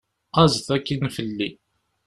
Aẓet akkin fell-i!